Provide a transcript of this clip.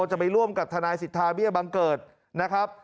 จะไปร่วมกับทนายสิทธาเบี้ยบังเกิดนะครับ